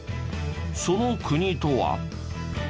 その国とは？